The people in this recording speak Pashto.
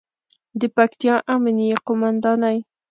د پکتیا امنیې قوماندانۍ